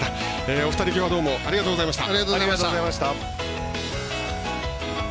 お二人、きょうはありがとうございました。